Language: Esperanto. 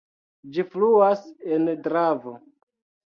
Ĝi fluas en Dravo.